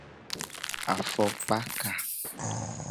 Afokpaka.